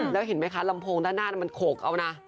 แล้วเห็นไหมคะลำโพงด้านหน้ามันโขกเอานะ